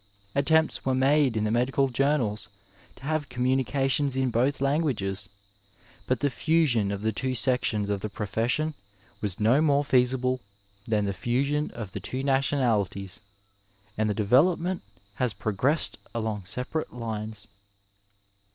Attempts were made in the medical jomnab to have communications in both languages, but the fusion of the two sections of the profession was no more feasible than the fusion of the two nationalities, and the development has progressed along separate lines.